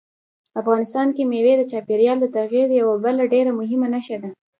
افغانستان کې مېوې د چاپېریال د تغیر یوه بله ډېره مهمه نښه ده.